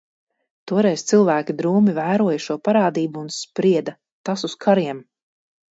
Toreiz cilvēki drūmi vēroja šo parādību un sprieda, tas uz kariem.